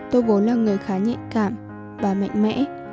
tôi vốn là người khá nhạy cảm và mạnh mẽ